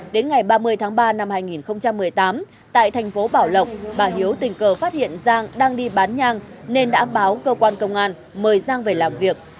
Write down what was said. đến ngày ba mươi tháng ba năm hai nghìn một mươi tám tại thành phố bảo lộc bà hiếu tình cờ phát hiện giang đang đi bán nhang nên đã báo cơ quan công an mời giang về làm việc